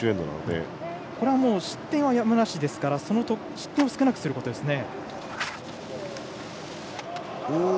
失点はやむなしですからその失点を少なくすることですね。